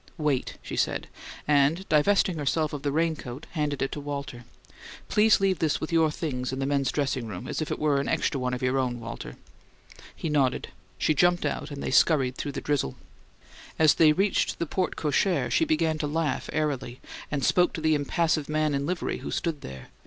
"Wait," she said, and, divesting herself of the raincoat, handed it to Walter. "Please leave this with your things in the men's dressing room, as if it were an extra one of your own, Walter." He nodded; she jumped out; and they scurried through the drizzle. As they reached the porte cochere she began to laugh airily, and spoke to the impassive man in livery who stood there.